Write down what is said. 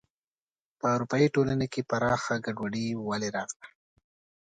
په اروپايي ټولنې کې پراخه ګډوډي ولې راغله.